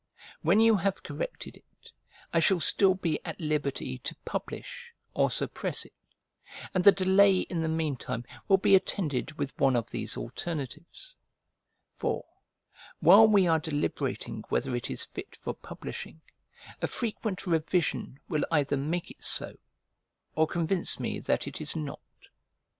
When you have corrected it, I shall still be at liberty to publish or suppress it: and the delay in the meantime will be attended with one of these alternatives; for, while we are deliberating whether it is fit for publishing, a frequent revision will either make it so, or convince me that it is not.